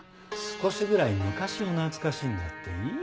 少しぐらい昔を懐かしんだっていいだろう。